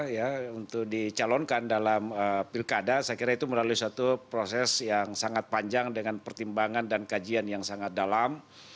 ya untuk dicalonkan dalam pilkada saya kira itu melalui satu proses yang sangat panjang dengan pertimbangan dan kajian yang sangat dalam